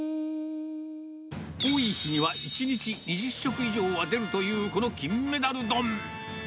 多い日には１日２０食以上は出るというこの金メダル丼。